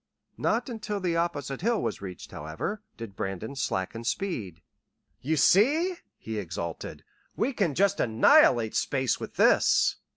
Not until the opposite hill was reached, however, did Brandon slacken speed. "You see," he exulted, "we can just annihilate space with this!"